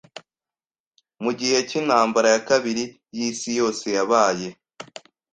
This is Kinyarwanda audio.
Mu gihe cyintambara ya kabiri yisi yose yabaye